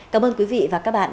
cảm ơn quý vị và các bạn